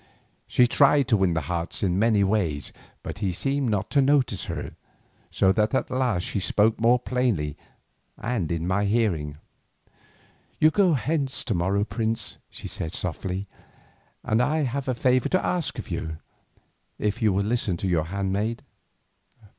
She tried to win his heart in many ways, but he seemed not to notice her, so that at last she spoke more plainly and in my hearing. "You go hence to morrow, prince," she said softly, "and I have a favour to ask of you, if you will listen to your handmaid."